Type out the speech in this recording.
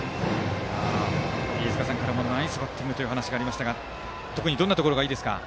飯塚さんからもナイスバッティングという話がありましたが特にどんなところがいいですか？